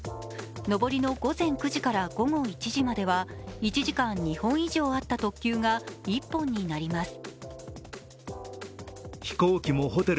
上りの午前９時から午後１時までは１時間２本以上あった特急が１本になります。